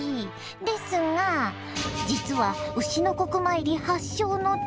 ですが実は丑の刻参り発祥の地。